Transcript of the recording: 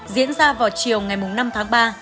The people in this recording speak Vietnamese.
diễn ra vào chiều ngày năm tháng ba